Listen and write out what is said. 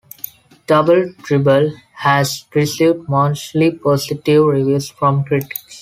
"Double Dribble" has received mostly positive reviews from critics.